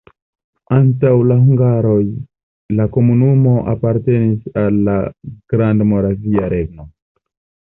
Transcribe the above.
Antaŭ la hungaroj la komunumo apartenis al la Grandmoravia Regno.